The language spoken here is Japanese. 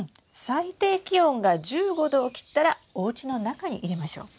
最低気温が１５℃を切ったらおうちの中に入れましょう。